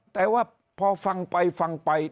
แต่ว่าพอฟังไปฟังไป